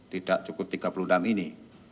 tidak cukup tiga puluh enam ini